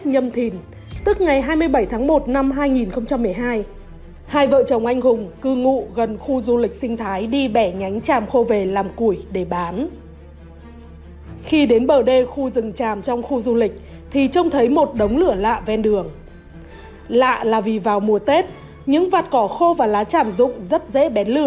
hãy đăng ký kênh để ủng hộ kênh của mình nhé